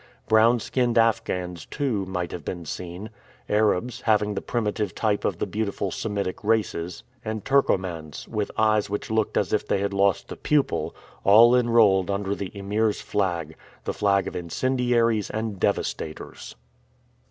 Brown skinned Afghans, too, might have been seen. Arabs, having the primitive type of the beautiful Semitic races; and Turcomans, with eyes which looked as if they had lost the pupil, all enrolled under the Emir's flag, the flag of incendiaries and devastators.